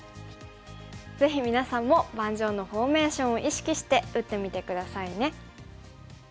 ぜひみなさんも盤上のフォーメーションを意識して打ってみて下さいね。